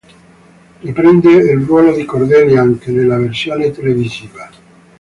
Riprende il ruolo di Cordelia anche nella versione televisiva.